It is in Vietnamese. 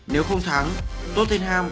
nếu không thắng tottenham